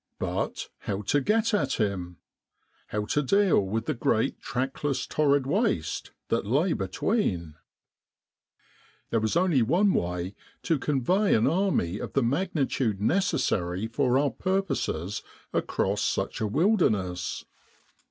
But how to get at him? How to deal with the great trackless torrid waste that lay between ? There was only one way to convey an army of the magnitude necessary for our new purposes across such a wilderness.